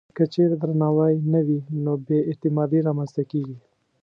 که چېرې درناوی نه وي، نو بې اعتمادي رامنځته کېږي.